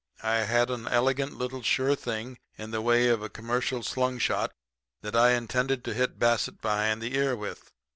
"I had an elegant little sure thing in the way of a commercial slungshot that I intended to hit Bassett behind the ear with.